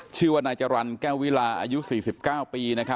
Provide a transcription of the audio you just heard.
ชื่อว่านายจัรันกนะเวลาอายุ๔๙ปีนะครับถูกยิงเข้าที่แถวหน้าท้อง๒นัทนะฮะ